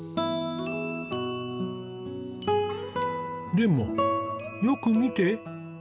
でもよく見て。